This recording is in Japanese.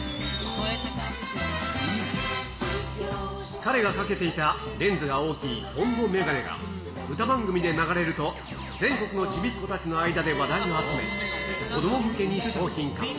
彼がかけていたレンズが大きいトンボメガネが、歌番組で流れると、全国のちびっ子たちの間で話題を集め、子ども向けに商品化。